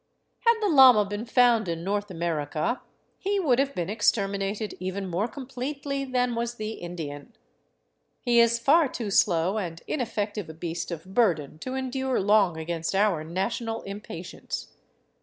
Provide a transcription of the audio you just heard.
Had the llama been found in North America, he would have been exterminated even more completely than was the Indian. He is far too slow and ineffective a beast of burden to endure long against our national impatience.